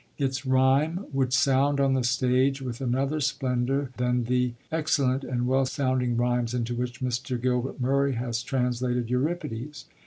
Its rhyme would sound on the stage with another splendour than the excellent and well sounding rhymes into which Mr. Gilbert Murray has translated Euripides.